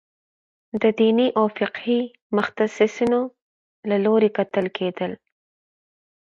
د دیني او فقهي متخصصینو له لوري کتل کېدل.